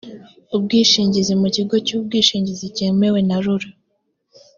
ubwishingizi mu kigo cy ubwishingizi cyemewe na rura